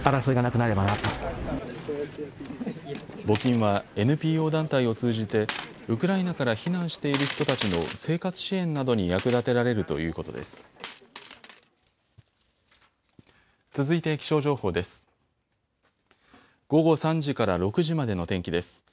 募金はＮＰＯ団体を通じてウクライナから避難している人たちの生活支援などに役立てられるということです。